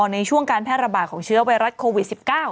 ในช่วงการแพร่ระบาดของเชื้อไวรัสโควิด๑๙